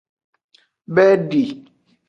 Bedi.